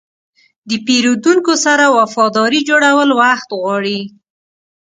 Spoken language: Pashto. د پیرودونکو سره وفاداري جوړول وخت غواړي.